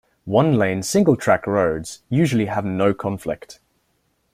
One-lane single-track roads usually have no conflict.